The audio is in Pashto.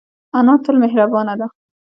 انا تل مهربانه ده